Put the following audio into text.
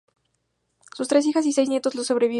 Sus tres hijas y seis nietos le sobreviven.